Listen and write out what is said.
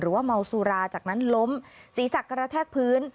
ว่าเมาสุราจากนั้นล้มศีรษะกระแทกพื้น